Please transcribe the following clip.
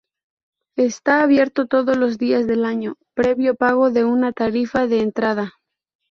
Está abierto todos los días del año previo pago de una tarifa de entrada.